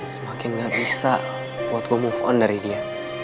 semakin gak bisa buat go move on dari dia